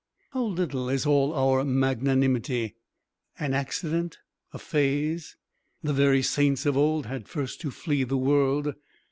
How little is all our magnanimity an accident! a phase! The very Saints of old had first to flee the world.